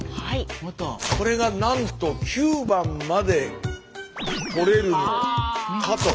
これがなんと９番まで取れるのかと。